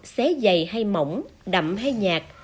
xé dày hay mỏng đậm hay nhạt